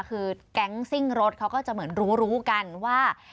คือแก๊งซิ่งรถเขาก็จะเหมือนรู้รู้กันว่า